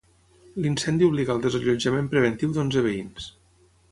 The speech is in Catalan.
L'incendi obliga el desallotjament preventiu d'onze veïns.